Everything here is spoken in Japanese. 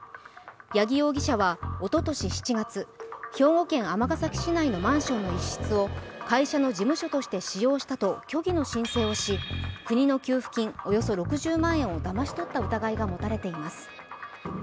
矢木容疑者はおととし７月、兵庫県尼崎市内のマンションの一室を会社の事務所として使用したと虚偽の申請をし国の給付金およそ６０万円をだまし取った疑いが持たれています。